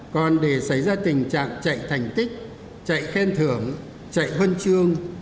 còn để xảy ra tình trạng chạy thành tích chạy khen thưởng chạy huân chương